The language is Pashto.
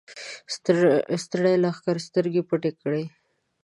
ستړي لښکر سترګې پټې کړې.